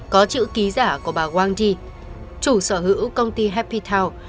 có chữ ký giả của bà wang ji chủ sở hữu công ty happy town